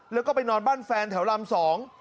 แล้วก็ไปนอนบ้านแฟนแถวลำสอง